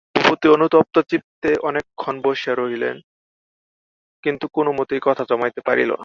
ভূপতি অনুতপ্ত চিত্তে অনেকক্ষণ বসিয়া রহিল, কিন্তু কোনোমতেই কথা জমাইতে পারিল না।